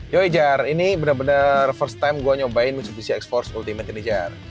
yoi jar ini bener bener pertama kali gue nyobain musik musik x force ultimate ini jar